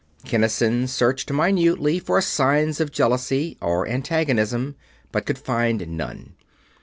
Kinnison searched minutely for signs of jealousy or antagonism, but could find none.